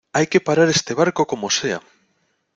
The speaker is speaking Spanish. ¡ hay que parar este barco como sea!